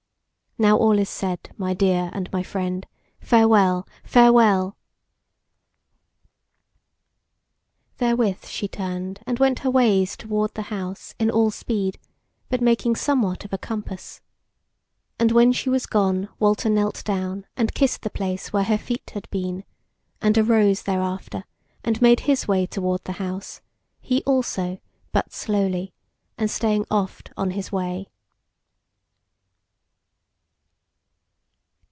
Now is all said, my dear and my friend; farewell, farewell!" Therewith she turned and went her ways toward the house in all speed, but making somewhat of a compass. And when she was gone, Walter knelt down and kissed the place where her feet had been, and arose thereafter, and made his way toward the house, he also, but slowly, and staying oft on his way.